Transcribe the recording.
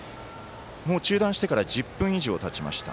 もう中断してから１０分以上、立ちました。